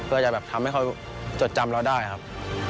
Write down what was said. เพื่อจะแบบทำให้เขาจดจำเราได้ครับ